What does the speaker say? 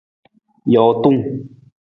Jootung.